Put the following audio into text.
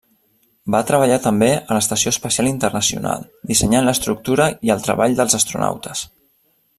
Va treballar també a l'Estació Espacial Internacional, dissenyant l'estructura i el treball dels astronautes.